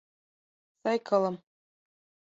Сай кылым.